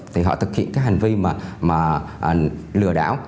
thì họ thực hiện cái hành vi mà lừa đảo